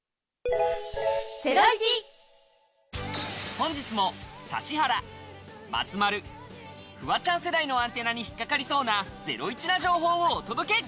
本日も指原、松丸、フワちゃん世代のアンテナに引っ掛かりそうなゼロイチな情報をお届け！